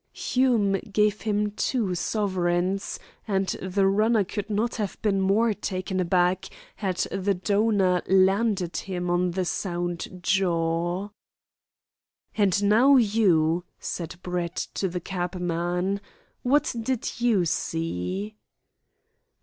Hume gave him two sovereigns, and the runner could not have been more taken aback had the donor "landed him" on the sound jaw. "And now, you," said Brett to the cabman. "What did you see?"